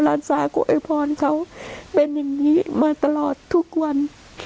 หลานสาวก็โวยพรเขาเป็นอย่างนี้มาตลอดทุกวัน